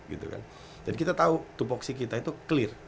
jadi kita tahu tupuksi kita itu clear